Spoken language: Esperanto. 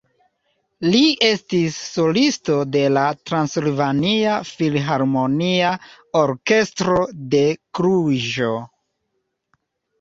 Li estis solisto de la Transilvania Filharmonia Orkestro de Kluĵo.